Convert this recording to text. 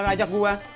gak ajak gue